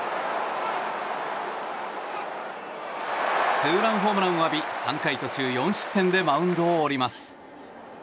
ツーランホームランを浴び３回途中４失点でマウンドを降ります。